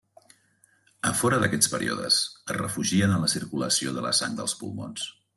A fora d'aquests períodes es refugien en la circulació de la sang dels pulmons.